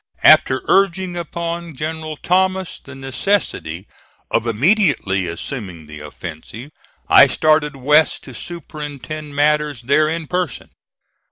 After urging upon General Thomas the necessity of immediately assuming the offensive, I started West to superintend matters there in person.